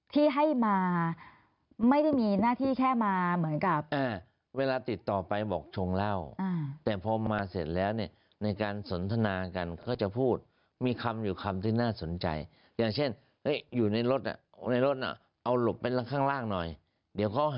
จนถึงตอนนี้ที่อัยการฟิกชอบสั่งฟองก็๖